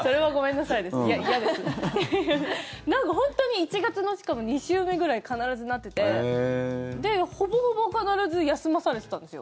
なんか本当に１月のしかも２週目ぐらい必ずなっててほぼほぼ必ず休まされてたんですよ。